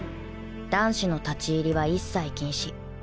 男子の立ち入りは一切禁止